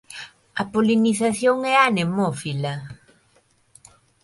A polinización é anemófila.